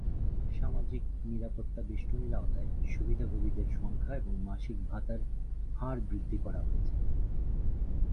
সামাজিক নিরাপত্তাবেষ্টনীর আওতায় সুবিধাভোগীদের সংখ্যা এবং মাসিক ভাতার হার বৃদ্ধি করা হয়েছে।